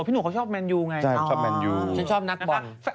พี่หนูเขาชอบแมนยูไงชอบนักบอล